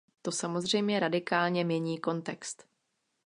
To samozřejmě radikálně mění kontext.